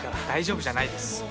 大丈夫じゃないです。